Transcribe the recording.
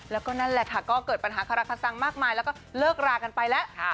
แล้วก็นั่นแหละค่ะก็เกิดปัญหาคาราคาซังมากมายแล้วก็เลิกรากันไปแล้ว